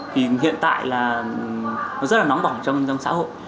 thì hiện tại là nó rất là nóng bỏng trong xã hội